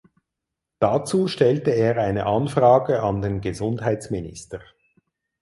Dazu stellte er eine Anfrage an den Gesundheitsminister.